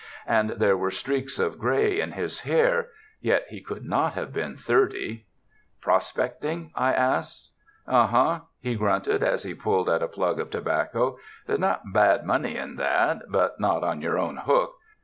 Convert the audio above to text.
And there were streaks of gray in his hair, yet he could not have been thirty. "Prospecting?" I asked. "Huh huh," he grunted, as he pulled at a plug of tobacco. "There's not bad money in that; but not on your own hook.